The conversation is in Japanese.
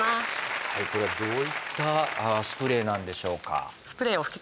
これはどういったスプレーなんでしょうか